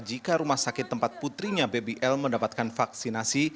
jika rumah sakit tempat putrinya baby l mendapatkan vaksinasi